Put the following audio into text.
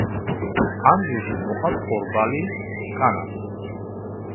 ანჟუში მოჰყავთ ხორბალი, კანაფი.